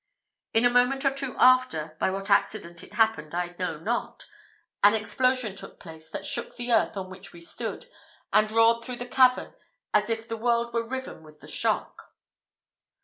In a moment or two after by what accident it happened I know not an explosion took place that shook the earth on which we stood, and roared through the cavern as if the world were riven with the shock.